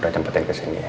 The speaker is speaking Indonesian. udah jemputin kesini ya